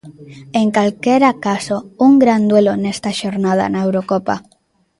En calquera caso, un gran duelo nesta xornada na Eurocopa.